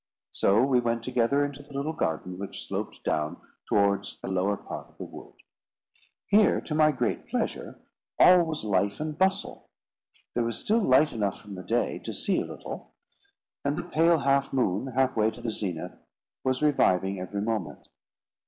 So we went together into the little garden which sloped down towards a lower part of the wood. Here, to my great pleasure, all was life and bustle. There was still light enough from the day to see a little; and the pale half moon, halfway to the zenith, was reviving every moment.